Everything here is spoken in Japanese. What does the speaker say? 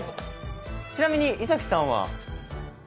ちなみに衣咲さんは。